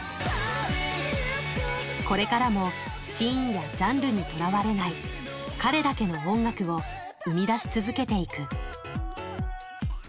これからもシーンやジャンルにとらわれない彼だけの音楽を生み出し続けていく。